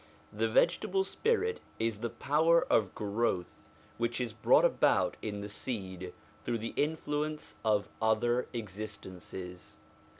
The vegetable spirit is the power of growth which is brought about in the seed through the influence of other existences.